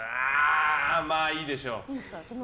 まあ、いいでしょう。